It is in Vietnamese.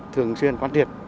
thường xuyên quán triệt